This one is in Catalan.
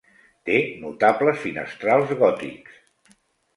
Té notables finestrals gòtics.